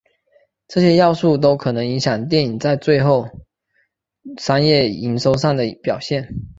这些要素都可能影响电影最后在商业营收上的表现。